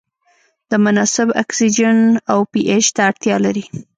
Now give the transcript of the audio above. د مناسب اکسیجن او پي اچ ته اړتیا لري.